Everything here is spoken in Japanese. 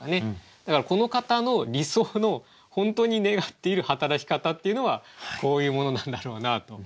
だからこの方の理想の本当に願っている働き方っていうのはこういうものなんだろうなと。